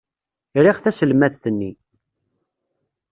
Riɣ taselmadt-nni.